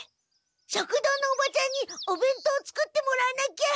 食堂のおばちゃんにおべんとうを作ってもらわなきゃ。